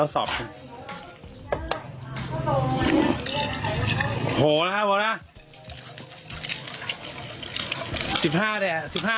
ส่งเหอะ